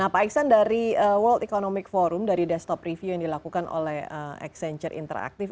pak iksan dari world economic forum dari desktop review yang dilakukan oleh accenture interaktif